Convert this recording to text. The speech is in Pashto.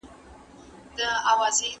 دا پړاو باید د پېژندلو وړ وي.